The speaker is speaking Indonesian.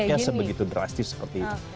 efeknya sebegitu drastis seperti